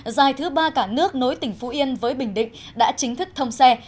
dài thứ ba cả nước nối tỉnh phú yên với bình định đã chính thức thông xe